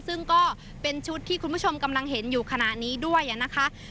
ซึ่งก็เป็นชุดที่คุณผู้ชมกำลังเห็นอยู่ขณะนี้ด้วยนะคะ